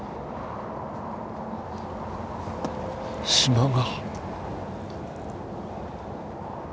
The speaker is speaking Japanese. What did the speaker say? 島が。